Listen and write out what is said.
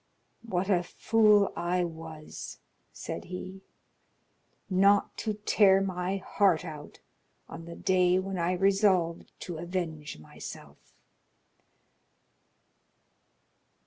"What a fool I was," said he, "not to tear my heart out on the day when I resolved to avenge myself!"